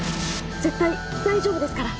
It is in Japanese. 絶対大丈夫ですから！